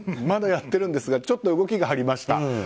まだやってるんですがちょっと動きがありました。